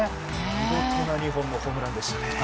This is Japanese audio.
見事な２本のホームランでしたね。